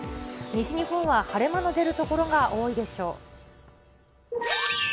西日本は晴れ間の出る所が多いでしょう。